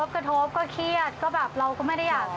กระทบก็เครียดก็แบบเราก็ไม่ได้อยาก